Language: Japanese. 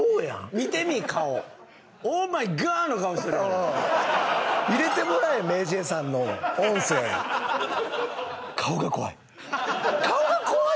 見てみ顔入れてもらえＭａｙＪ．さんの音声「顔が怖い」「顔が怖い？」